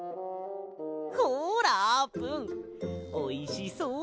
ほらあーぷんおいしそうだろ？